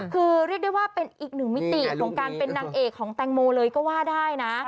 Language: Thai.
คือเรียกได้ว่าเป็นอีกหนึ่งมิติของการเป็นนางเอกของแตงโมเลยก็ว่าได้นะ